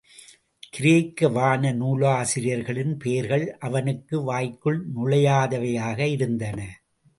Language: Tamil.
கிரேக்க வான நூலாசிரியர்களின் பெயர்கள் அவனுக்கு வாய்க்குள் நுழையாதவையாக இருந்தன.